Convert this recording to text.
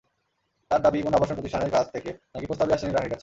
তাঁর দাবি, কোনো আবাসন প্রতিষ্ঠানের কাছ থেকে নাকি প্রস্তাবই আসেনি রানীর কাছে।